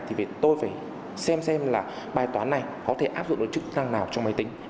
thì tôi phải xem xem là bài toán này có thể áp dụng được chức năng nào trong máy tính